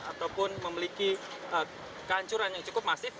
ataupun memiliki kehancuran yang cukup masif